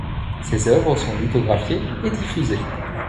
Ses œuvres sont lithographiées et diffusées.